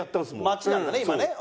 待ちなんだね今ね。